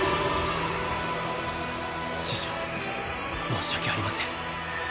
師匠申し訳ありません